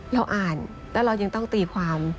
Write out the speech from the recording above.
เราอ่านแล้วเรายังต้องตีความ